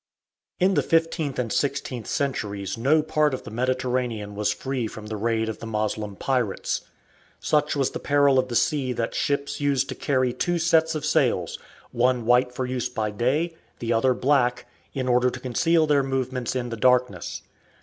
In the fifteenth and sixteenth centuries no part of the Mediterranean was free from the raids of the Moslem pirates. Such was the peril of the sea that ships used to carry two sets of sails, one white for use by day, the other black, in order to conceal their movements in the darkness.